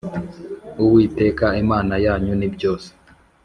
Uwiteka Imana yanyu nibyose.